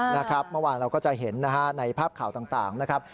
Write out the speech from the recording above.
มาวานเราก็จะเห็นในภาพข่าวต่างนะครับ